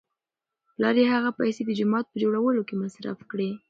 پلار یې هغه پیسې د جومات په جوړولو کې مصرف کړې.